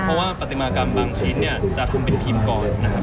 เพราะว่าปฏิมากรรมบางชิ้นเนี่ยจะทำเป็นพิมพ์ก่อนนะครับ